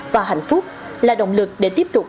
và hạnh phúc là động lực để tiếp tục